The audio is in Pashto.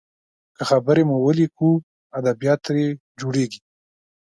که خبرې مو وليکو، ادبيات ترې جوړیږي.